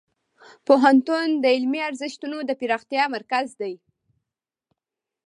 پوهنتون د علمي ارزښتونو د پراختیا مرکز دی.